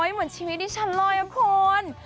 อ๋อเหมือนชีวิตดิฉันเลยครับคุณ